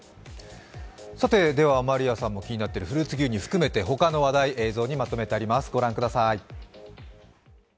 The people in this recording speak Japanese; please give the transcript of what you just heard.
ではまりあさんも気になってるフルーツ牛乳含めて他の話題、映像にまとめてあります御覧ください。